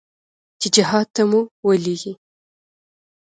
چې جهاد ته مو ولېږي.